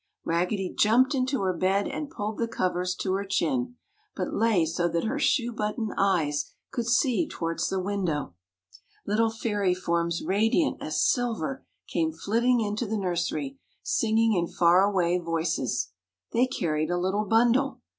Raggedy jumped into her bed and pulled the covers to her chin, but lay so that her shoe button eyes could see towards the window. Little Fairy forms radiant as silver came flitting into the nursery, singing in far away voices. They carried a little bundle.